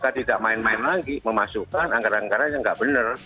agar tidak main main lagi memasukkan anggaran anggaranya yang enggak benar